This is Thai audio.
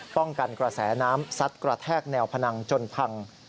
กระแสน้ำซัดกระแทกแนวพนังจนพัง